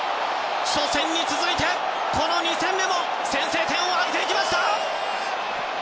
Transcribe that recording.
初戦に続いて、この２戦目も先制点を挙げました！